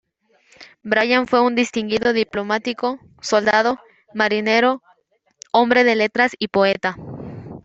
Bryan fue un distinguido diplomático, soldado, marinero, hombre de letras y poeta.